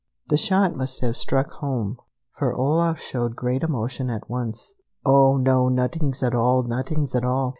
The shot must have struck home, for Olaf showed great emotion at once. "Oh, no, nuttings at all, nuttings at all!"